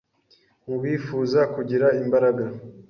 mu bifuza kugira imbaraga